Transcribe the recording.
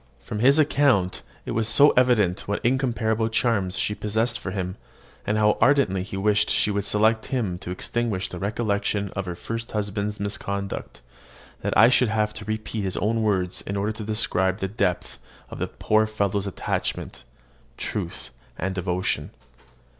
From his account it was so evident what incomparable charms she possessed for him, and how ardently he wished she would select him to extinguish the recollection of her first husband's misconduct, that I should have to repeat his own words in order to describe the depth of the poor fellow's attachment, truth, and devotion.